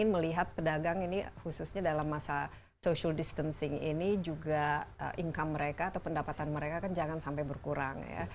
melihat pedagang ini khususnya dalam masa social distancing ini juga income mereka atau pendapatan mereka kan jangan sampai berkurang ya